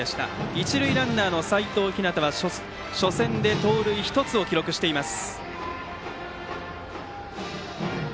一塁ランナーの齋藤陽は初戦で盗塁１つを記録しています。